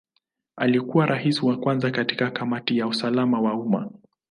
Alikuwa Rais wa kwanza katika Kamati ya usalama wa umma.